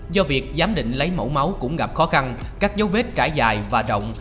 do việc giám định lấy mẫu máu cũng gặp khó khăn các dấu vết trải dài và động